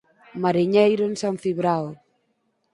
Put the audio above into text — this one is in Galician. Mariñeiro en San Cibrao.